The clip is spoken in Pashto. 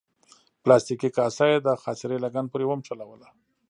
پلاستیکي کاسه یې د خاصرې لګن پورې ونښلوله.